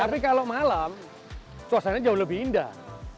tapi kalau malam suasananya jauh lebih indah